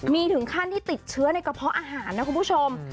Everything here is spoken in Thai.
มีถึงขั้นที่ติดเชื้อในกระเพาะอาหารนะคุณผู้ชม